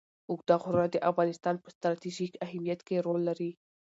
اوږده غرونه د افغانستان په ستراتیژیک اهمیت کې رول لري.